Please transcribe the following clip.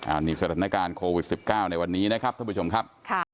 อันนี้สถานการณ์โควิด๑๙ในวันนี้นะครับท่านผู้ชมครับ